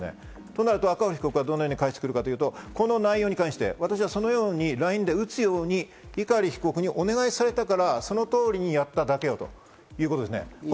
となると赤堀被告はどのように返してくるかというとこの内容に関して私はそのようにＬＩＮＥで打つように碇被告にお願いされたからその通りにやっただけよということですね。